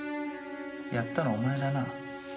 やったのお前だな？